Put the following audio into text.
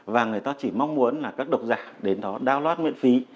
và người ta chỉ mong muốn là các độc giả đến đó download miễn phí